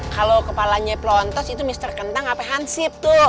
kalau kepalanya pelontos itu mister kentang apa hansip tuh